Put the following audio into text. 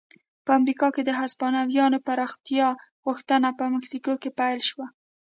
په امریکا کې د هسپانویانو پراختیا غوښتنه په مکسیکو پیل شوه.